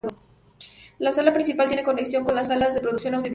La sala principal tiene conexión con las salas de producción audiovisual.